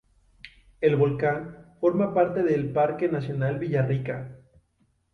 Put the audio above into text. El volcán forma parte del Parque Nacional Villarrica.